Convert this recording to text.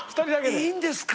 いいんですか？